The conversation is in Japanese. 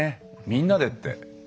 みんなでって。